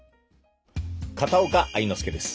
片岡愛之助です。